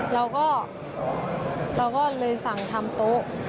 เราก็เลยสั่งทำโต๊ะ